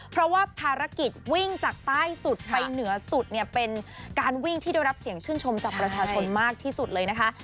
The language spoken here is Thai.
เพราะว่าภารกิจวิ่งจากใต้สุดไปเหนือสุดเนี่ยเป็นการวิ่งที่ได้รับเสียงชื่นชมจากประชาชนมากที่สุดเลยนะคะ